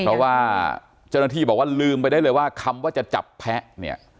เพราะว่าเจ้าหน้าที่บอกว่าลืมไปได้เลยว่าคำว่าจะจับแพ้เนี่ย